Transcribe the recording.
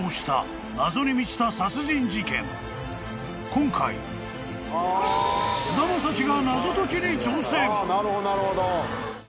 ［今回菅田将暉が］